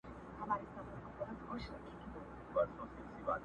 لا یې خوله وي د غلیم په کوتک ماته،،!